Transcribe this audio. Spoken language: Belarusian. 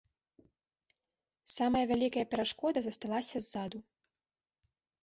Самая вялікая перашкода засталася ззаду.